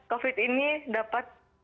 agar covid ini dapat cepat berlumuran